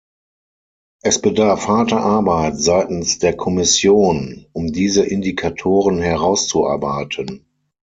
Es bedarf harter Arbeit seitens der Kommission, um diese Indikatoren herauszuarbeiten.